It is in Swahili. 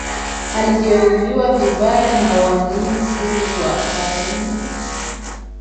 Alijeruhiwa vibaya na walinzi wa Karume